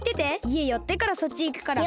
いえよってからそっちいくから。